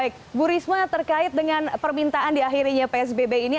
baik bu risma terkait dengan permintaan di akhirnya psbb ini